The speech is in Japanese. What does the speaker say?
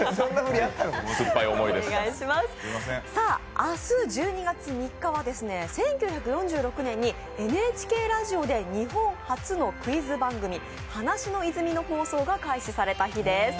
明日１２月３日は１９４６年にＮＨＫラジオで日本初のクイズ番組「話の泉」の放送が開始された日です。